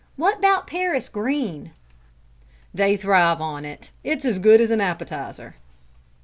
What 'bout Paris green?" "They thrive on it; it's as good as an appetizer."